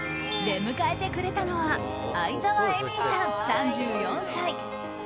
出迎えてくれたのは愛沢えみりさん、３４歳。